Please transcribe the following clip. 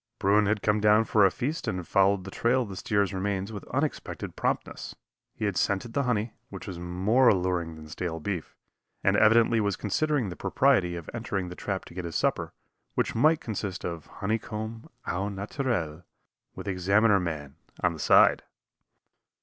Bruin had come down for a feast and had followed the trail of the steer's remains with unexpected promptness. He had scented the honey, which was more alluring than stale beef, and evidently was considering the propriety of entering the trap to get his supper, which might consist of honeycomb au naturel, with Examiner man on the side.